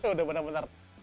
udah benar benar menarik ya